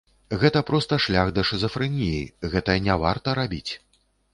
Гэта проста шлях да шызафрэніі, гэта не варта рабіць.